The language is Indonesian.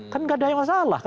kan nggak ada yang salah